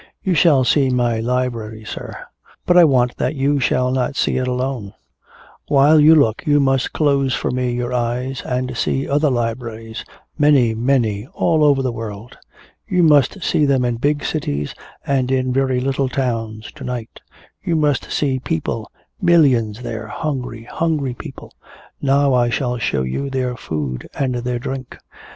"You shall see my library, sir. But I want that you shall not see it alone. While you look you must close for me your eyes and see other libraries, many, many, all over the world. You must see them in big cities and in very little towns to night. You must see people, millions there, hungry, hungry people. Now I shall show you their food and their drink."